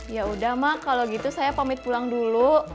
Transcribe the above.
yaudah mak kalau gitu saya pamit pulang dulu